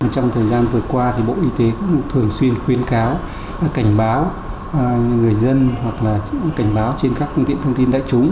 trong thời gian vừa qua bộ y tế cũng thường xuyên khuyên cáo cảnh báo người dân hoặc là cảnh báo trên các phương tiện thông tin đại chúng